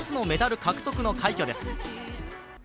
メダル獲得、初の快挙です。